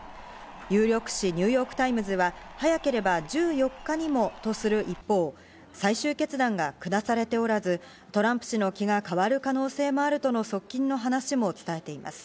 有力紙ニューヨーク・タイムズは早ければ１４日にもとする一方、最終決断がくだされておらず、トランプ氏の気が変わる可能性もあると側近の話も伝えています。